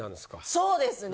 そうですね。